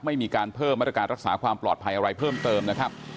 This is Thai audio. ไม่มีการเพิ่มมาตรการรักษาความปลอดภัยอะไรเพิ่มเติมนะครับ